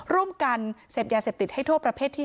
ร่วมกันเสพยาเสพติดให้โทษประเภทที่๕